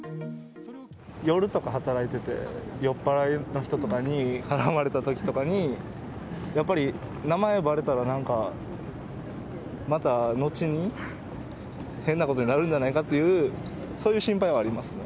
夜とか働いてて、酔っぱらいの人とかに絡まれたときとかに、やっぱり名前ばれたらなんかまた後に変なことになるんじゃないかっていうそういう心配はありますね。